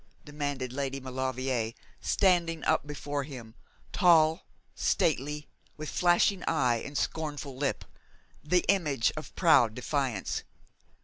demanded Lady Maulevrier, standing up before him, tall, stately, with flashing eye and scornful lip, the image of proud defiance.